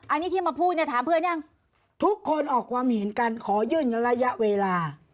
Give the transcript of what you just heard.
อันนี้ที่มาพูดเนี่ยถามเพื่อนยังทุกคนออกความเห็นกันขอยื่นระยะเวลา